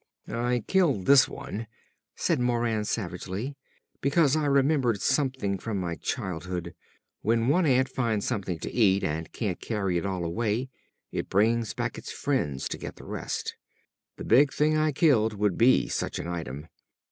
"I killed this one," said Moran savagely, "because I remembered something from my childhood. When one ant finds something to eat and can't carry it all away, it brings back its friends to get the rest. The big thing I killed would be such an item.